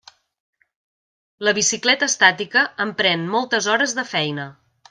La bicicleta estàtica em pren moltes hores de feina.